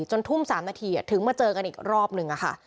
จนทุ่ม๓นาทีถึงมาเจอกันอีกรอบนึงค่ะ